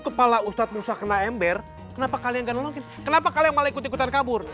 kepala ustadz musa kena ember kenapa kalian ganti kenapa kalian malah ikut ikutan kabur